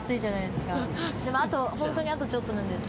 でもあと本当にあとちょっとなんで。